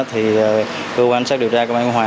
thì cơ quan cảnh sát điều tra công an phố biên hòa